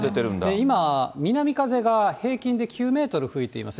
今、南風が平均で９メートル吹いていますね。